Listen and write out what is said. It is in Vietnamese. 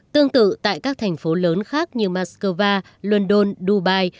tương tự tại các thành phố lớn khác như moscow london dubai